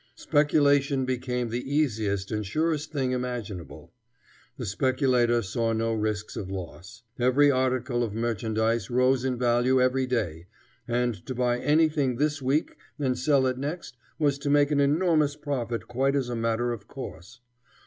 Speculation became the easiest and surest thing imaginable. The speculator saw no risks of loss. Every article of merchandise rose in value every day, and to buy anything this week and sell it next was to make an enormous profit quite as a matter of course.